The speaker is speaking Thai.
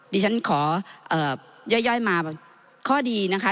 ดิฉันขอย่อยมาข้อดีนะคะ